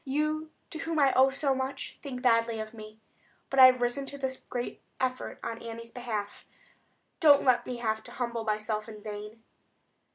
You, to whom I owe so much, think badly of me. But I have risen to this great effort on Annie's behalf. Don't let me have to humble myself in vain."